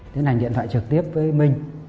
tiến hành điện thoại trực tiếp với minh